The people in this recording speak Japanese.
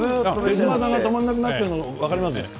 手嶋さんが止まらなくなっているの分かります。